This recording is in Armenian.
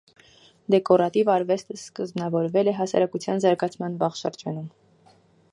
Դեկորատիվ արվեստն սկզբնավորվել է հասարակության զարգացման վաղ շրջանում։